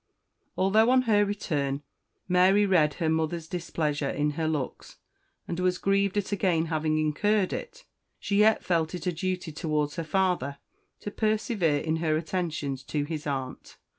_ ALTHOUGH, on her return, Mary read her mother's displeasure in her looks, and was grieved at again having incurred it, she yet felt it a duty towards her father to persevere in her attentions to his aunt.